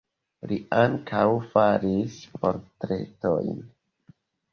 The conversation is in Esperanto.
Li ankaŭ faris portretojn.